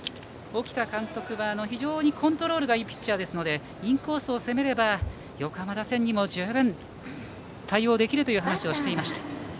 沖田監督は非常にコントロールがいいピッチャーですのでインコースを攻めれば横浜打線にも十分、対応できるという話をしていました。